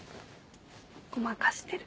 ごまかしてる。